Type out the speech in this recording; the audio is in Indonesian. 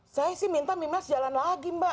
saya sih minta mimiles jalan lagi mbak